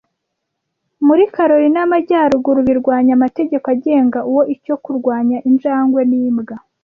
Muri Carolina y'Amajyaruguru birwanya amategeko agenga uwo / icyo kurwanya Injangwe n'imbwa